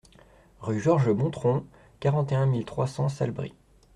Rue Georges Bontront, quarante et un mille trois cents Salbris